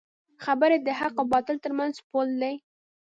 خبرې د حق او باطل ترمنځ پول دی